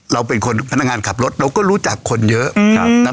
เราเป็นคนพนักงานขับรถเราก็รู้จักคนเยอะ